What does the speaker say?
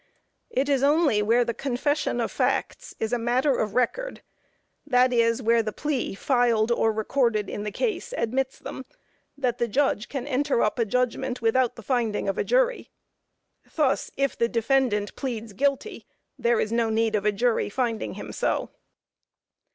It is only where the confession of facts is matter of record, (that is, where the plea filed or recorded in the case admits them), that the judge can enter up a judgment without the finding of a jury. Thus, if the defendant pleads "guilty," there is no need of a jury finding him so.